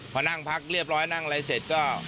พอนั่งพักเรียบร้อยนั่งอะไรเสร็จก็